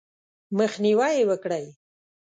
مخنیوی یې وکړئ :